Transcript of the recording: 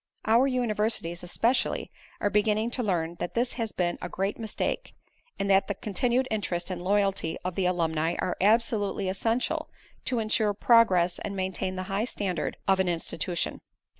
Our universities especially are beginning to learn that this has been a great mistake and that the continued interest and loyalty of the alumni are absolutely essential to insure progress and maintain the high standard of an institution.